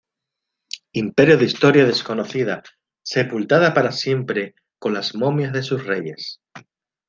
imperio de historia desconocida, sepultada para siempre con las momias de sus reyes